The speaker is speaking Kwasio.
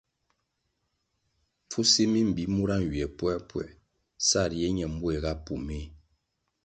Pfusi mi mbi mura nywie puerpuer sa riye ñe mbuéhga pú méh.